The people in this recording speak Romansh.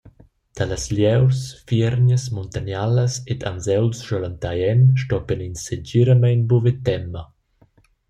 Dallas lieurs, fiergnas, muntanialas ed anseuls schelentai en stoppien ins segiramein buca ver tema.